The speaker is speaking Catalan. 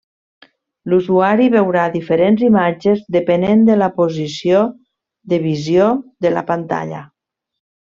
L'usuari veurà diferents imatges depenent de la posició de visió de la pantalla.